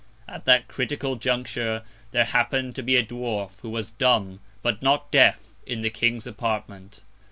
At that critical Conjuncture, there happen'd to be a Dwarf, who was dumb, but not deaf, in the King's Apartment.